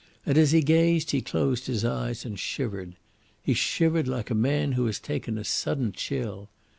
And, as he gazed, he closed his eyes and shivered. He shivered like a man who has taken a sudden chill.